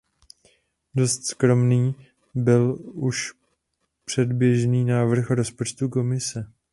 Dost skromný byl už předběžný návrh rozpočtu Komise.